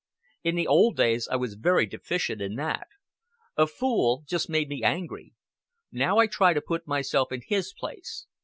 In the old days I was very deficient in that. A fool just made me angry. Now I try to put myself in his place."